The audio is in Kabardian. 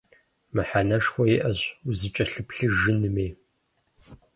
Мыхьэнэшхуэ иӀэщ узыкӀэлъыплъыжынми.